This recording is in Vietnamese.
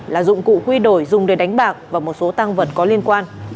là dụng cụ quy đổi dùng để đánh bạc và một số tăng vật có liên quan